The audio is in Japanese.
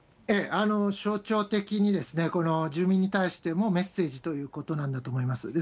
象徴的に住民に対してもメッセージということなんだと思います。